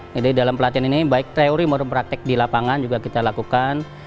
jadi dalam pelatihan ini baik teori merupakan praktik di lapangan juga kita lakukan